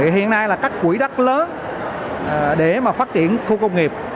hiện nay là các quỹ đắc lớn để phát triển khu công nghiệp